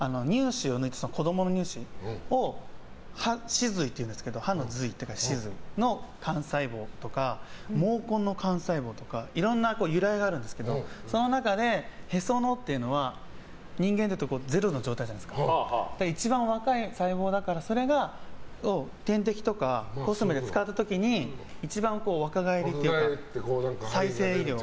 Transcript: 子供の乳歯を歯髄っていうんですけど歯髄の幹細胞とか毛根の幹細胞とかいろんな由来があるんですけどへその緒って人間だとゼロの状態で一番若い細胞だからそれを点滴とかコスメで使った時に一番若返るというか再生医療。